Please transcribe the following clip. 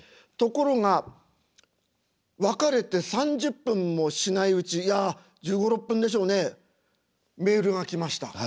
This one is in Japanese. ところが別れて３０分もしないうちいや１５１６分でしょうねメールが来ました。